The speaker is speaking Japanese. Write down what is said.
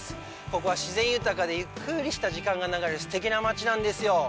ここは自然豊かで、ゆっくりした時間が流れるすてきな街なんですよ。